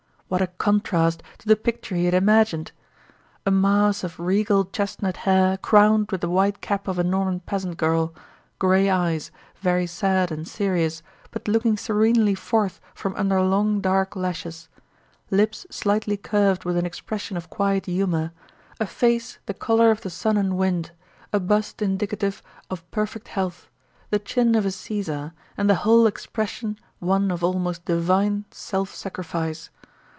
What a contrast to the picture he had imagined! A mass of regal chestnut hair crowned with the white cap of a Norman peasant girl; gray eyes, very sad and serious, but looking serenely forth from under long, dark lashes; lips slightly curved with an expression of quiet humor; a face the color of the sun and wind, a bust indicative of perfect health, the chin of a Caesar, and the whole expression one of almost divine self sacrifice.